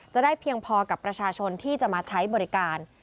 จะได้เพียงพอกับประชาชนที่จะมาใช้บริการ